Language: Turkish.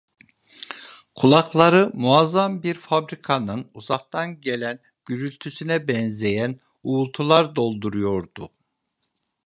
Kulakları, muazzam bir fabrikanın uzaktan gelen gürültüsüne benzeyen uğultular dolduruyordu.